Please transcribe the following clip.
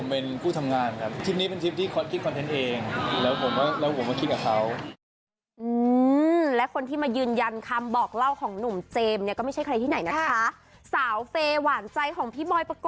เพราะว่าเป็นห่วงเขาก็ไม่เหงานี่